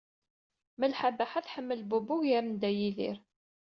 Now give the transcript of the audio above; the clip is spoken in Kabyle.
Malḥa Baḥa tḥemmel Bob ugar n Dda Yidir.